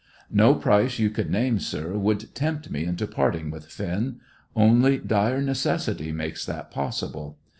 "No price you could name, sir, would tempt me into parting with Finn; only dire necessity makes that possible.